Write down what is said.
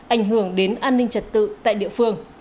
ảnh hưởng đến an ninh trật tự tại địa phương